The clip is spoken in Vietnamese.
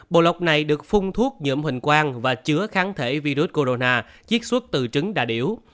bộ lọc này được phung thuốc nhậm hình quang và chứa kháng thể virus corona chiếc xuất từ trứng đà điểu